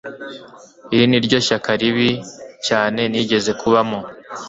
Iri niryo shyaka ribi cyane nigeze kubamo